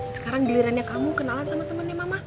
sekarang gilirannya kamu kenalan sama temennya mama